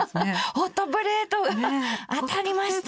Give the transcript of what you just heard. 「ホットプレート当たりました！」。